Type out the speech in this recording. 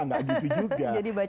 tidak begitu juga